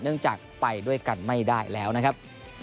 เนื่องจากไปด้วยกันไม่ได้แล้วนะครับ